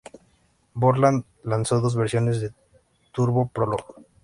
Borland lanzó dos versiones de Turbo Prolog.